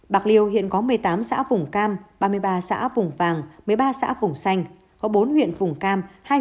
bạc liêu hiện có một mươi tám xã vùng cam ba mươi ba xã vùng vàng một mươi ba xã vùng xanh có bốn huyện vùng cam hai huyện vùng vàng